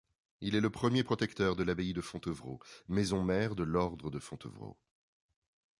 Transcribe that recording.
Il est le premier protecteur de l'Abbaye de Fontevraud, Maison-mère de l'Ordre de Fontevraud.